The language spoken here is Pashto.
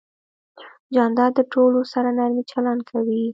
جانداد د ټولو سره نرمي چلند کوي.